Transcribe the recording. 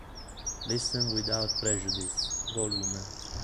Listen Without Prejudice Vol.